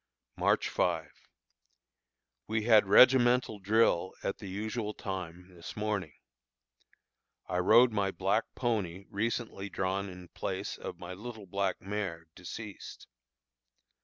March 5. We had regimental drill at the usual time this morning. I rode my black pony recently drawn in place of my little black mare, deceased.